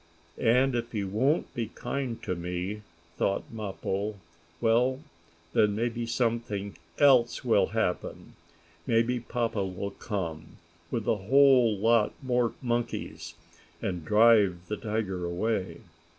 "And, if he won't be kind to me," thought Mappo, "well, then maybe something else will happen. Maybe papa will come, with a whole lot more monkeys, and drive the tiger away.